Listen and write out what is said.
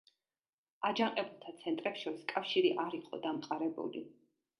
აჯანყებულთა ცენტრებს შორის კავშირი არ იყო დამყარებული.